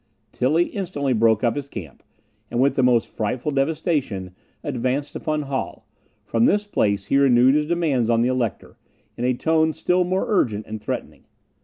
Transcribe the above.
Tilly instantly broke up his camp, and, with the most frightful devastation, advanced upon Halle; from this place he renewed his demands on the Elector, in a tone still more urgent and threatening.